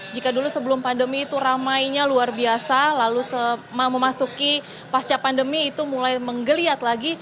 jika dulu sebelum pandemi itu ramainya luar biasa lalu memasuki pasca pandemi itu mulai menggeliat lagi